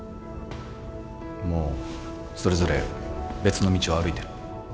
もうそれぞれ別の道を歩いてる。